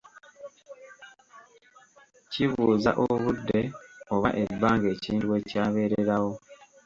Kibuuza obudde oba ebbanga ekintu we kyabeererawo.